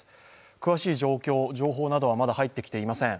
詳しい状況、情報などはまだ入ってきていません。